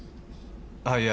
あっいや。